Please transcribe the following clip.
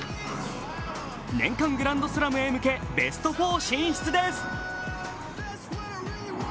年間グランドスラムへ向けベスト４進出です。